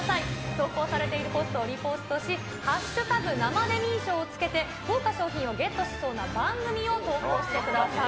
投稿されているポストをリポストし、＃生デミー賞をつけて、豪華賞品をゲットしそうな番組を投稿してください。